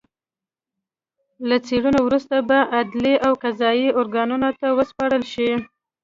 له څېړنو وروسته به عدلي او قضايي ارګانونو ته وسپارل شي